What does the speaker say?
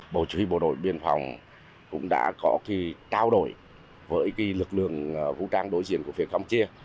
bộ chủ yếu bộ đội biên phòng cũng đã có khi trao đổi với lực lượng khẩu trang đối diện của phiên khám chia